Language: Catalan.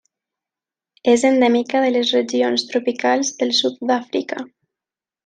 És endèmica de les regions tropicals del sud d'Àfrica.